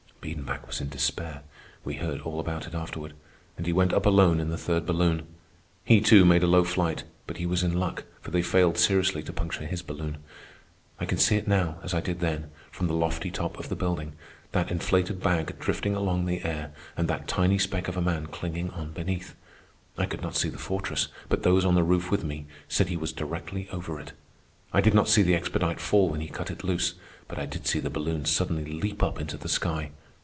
Biedenbach was in despair—we heard all about it afterward—and he went up alone in the third balloon. He, too, made a low flight, but he was in luck, for they failed seriously to puncture his balloon. I can see it now as I did then, from the lofty top of the building—that inflated bag drifting along the air, and that tiny speck of a man clinging on beneath. I could not see the fortress, but those on the roof with me said he was directly over it. I did not see the expedite fall when he cut it loose. But I did see the balloon suddenly leap up into the sky.